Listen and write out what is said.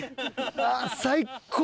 ああ最高。